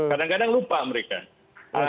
kadang kadang lupa mereka